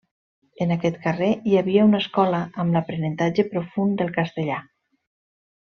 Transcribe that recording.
En aquest carrer hi havia una escola amb l'aprenentatge profund del castellà.